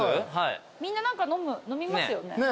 みんな何か飲みますよね？